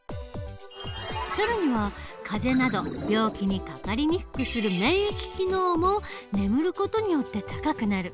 更には風邪など病気にかかりにくくする免疫機能も眠る事によって高くなる。